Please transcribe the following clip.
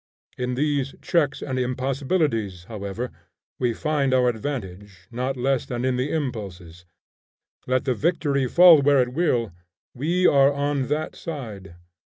In these checks and impossibilities however we find our advantage, not less than in the impulses. Let the victory fall where it will, we are on that side.